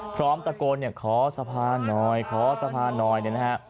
พร้อมตะโกนเนี่ยขอสะพานหน่อยขอสะพานหน่อยเนี่ยนะฮะ